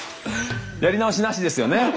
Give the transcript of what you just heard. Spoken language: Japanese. やり直しなしです。